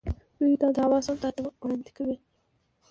دوی دا دعوه سودا ته وړاندې کوي.